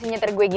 hanya di rini